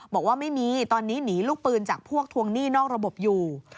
บอกว่าไม่มีตอนนี้หนีลูกปืนจากพวกทวงหนี้นอกระบบอยู่